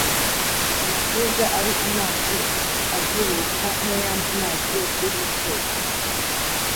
amashyuza ari amazi avubuka nk’ayandi mazi yose y’isoko